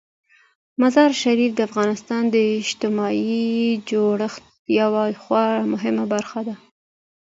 مزارشریف د افغانستان د اجتماعي جوړښت یوه خورا مهمه برخه ده.